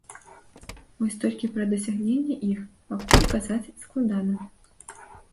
Вось толькі пра дасягненні іх пакуль казаць складана.